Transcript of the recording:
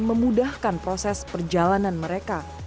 memudahkan proses perjalanan mereka